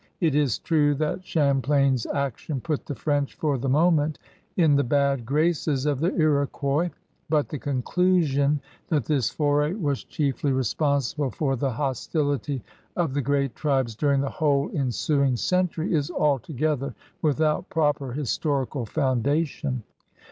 It is true that Champlain's action put the French for the moment in the bad graces of the Iroquois; but the conclusion that this foray was chiefly 42 CRUSADEBS OP NEW FRANCE responsible for the hostility of the great tribes during the whole ensiling century is altogether without proper historical foundation.